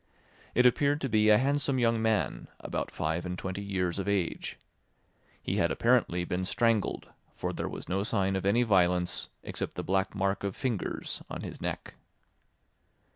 It appeared to be a handsome young man, about five and twenty years of age. He had apparently been strangled, for there was no sign of any violence except the black mark of fingers on his neck.